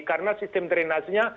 karena sistem terinasinya